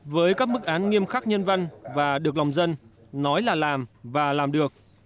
với các mức án nghiêm khắc nhân văn và được lòng dân nói là làm và làm được